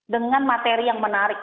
dengan materi yang menarik